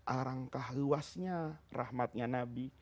arangkah luasnya rahmatnya nabi